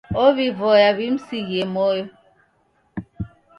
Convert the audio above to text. Ow'ivoya wimsighie moyo.